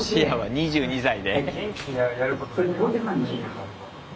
２２歳で？